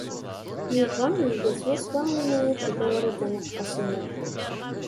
Yuba iga swaswa ayen ay tga Wrida n At Qasi Muḥ.